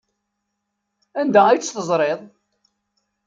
Anda ay tt-teẓriḍ?